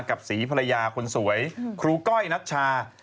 กับศรีภรรยาคนสวยครูก้อยนัชชา